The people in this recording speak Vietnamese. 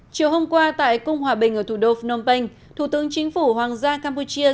chiều hôm qua tại cung hòa bình ở thủ đô phnom penh thủ tướng chính phủ hoàng gia campuchia